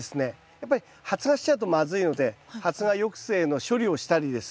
やっぱり発芽しちゃうとまずいので発芽抑制の処理をしたりですね。